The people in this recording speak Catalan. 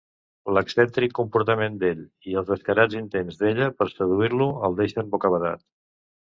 L'excèntric comportament d'ell i els descarats intents d'ella per seduir-lo el deixen bocabadat.